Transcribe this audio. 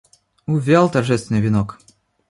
Увял торжественный венок.